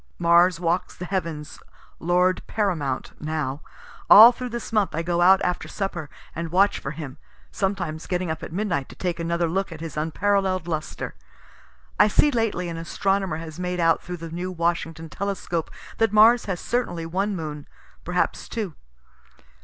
Mars walks the heavens lord paramount now; all through this month I go out after supper and watch for him; sometimes getting up at midnight to take another look at his unparallel'd lustre. (I see lately an astronomer has made out through the new Washington telescope that Mars has certainly one moon, perhaps two.)